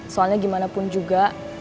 soalnya gimana pun juga